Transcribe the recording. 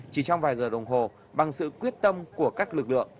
chỉ trong vài giờ đồng hồ bằng sự quyết tâm của các lực lượng